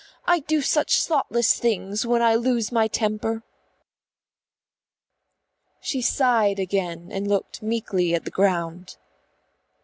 "I do such thoughtless things when I lose my temper." She sighed again and looked meekly at the ground.